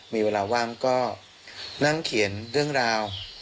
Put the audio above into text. มีเวลาว่างก็นั่งเขียนเรื่องราว